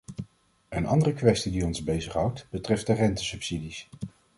Een andere kwestie die ons bezighoudt, betreft de rentesubsidies.